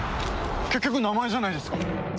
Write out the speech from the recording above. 結局名前じゃないですか。